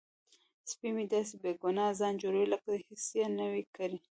سپی مې داسې بې ګناه ځان جوړوي لکه هیڅ یې نه وي کړي.